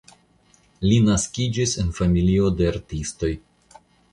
Li naskiĝis en familio de artistoj.